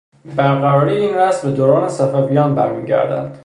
برقراری این رسم به دوران صفویان برمیگردد.